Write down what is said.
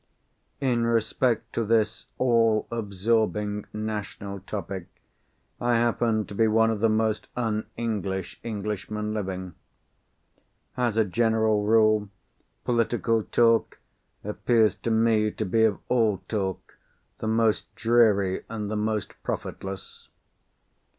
In respect to this all absorbing national topic, I happen to be one of the most un English Englishmen living. As a general rule, political talk appears to me to be of all talk the most dreary and the most profitless.